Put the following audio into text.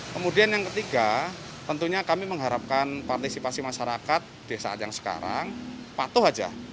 kemudian yang ketiga tentunya kami mengharapkan partisipasi masyarakat di saat yang sekarang patuh saja